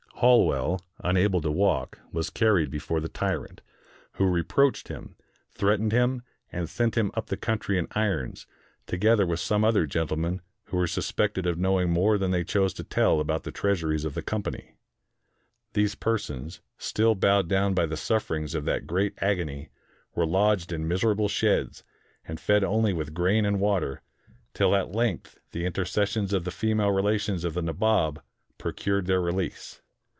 Holwell, unable to walk, was carried before the tyrant, who reproached him, threat ened him, and sent him up the country in irons, together with some other gentlemen who were suspected of knowing more than they chose to tell about the treas ures of the Company. These persons, still bowed down by the sufferings of that great agony, were lodged in miserable sheds, and fed only with grain and water, till at length the intercessions of the female relations of the Nabob procured their release.